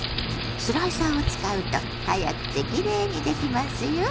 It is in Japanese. スライサーを使うと早くてきれいにできますよ。